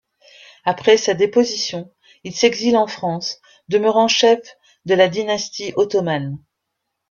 Après sa déposition, il s'exile en France, demeurant chef de la dynastie ottomane.